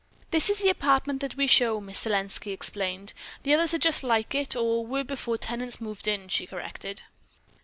"This is the apartment that we show," Miss Selenski explained. "The others are just like it, or were, before tenants moved in," she corrected.